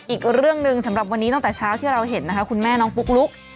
อีกเรื่องหนึ่งสำหรับวันนี้ตั้งแต่เช้าที่เราเห็นนะคะคุณแม่น้องปุ๊กลุ๊ก